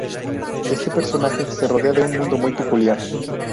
Este personaje se rodea de un mundo muy peculiar.